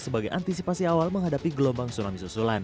sebagai antisipasi awal menghadapi gelombang tsunami susulan